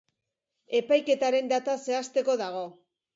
Epaiketaren data zehazteko dago.